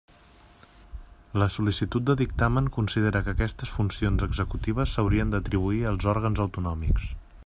La sol·licitud de dictamen considera que aquestes funcions executives s'haurien d'atribuir als òrgans autonòmics.